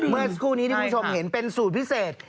เมื่อสักครู่นี้ที่คุณผู้ชมเห็นเป็นสูตรพิเศษ